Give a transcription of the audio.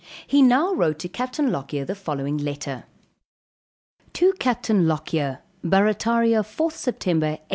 He now wrote to Capt. Lockyer the following letter. To CAPTAIN LOCKYER. Barrataria, 4th Sept. 1814.